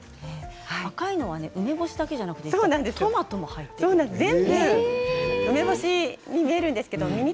赤いのは、梅干しだけではなくてトマトも入っているんです。